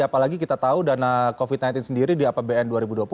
apalagi kita tahu dana covid sembilan belas sendiri di apbn dua ribu dua puluh